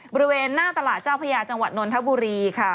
บริเวณหน้าตลาดเจ้าพญาจังหวัดนนทบุรีค่ะ